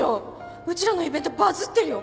うちらのイベントバズってるよ